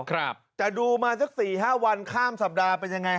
แต่ดูมาสัก๔๕วันข้ามสัปดาห์เป็นอย่างไร